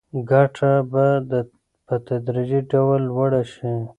ګټه به په تدریجي ډول لوړه شي.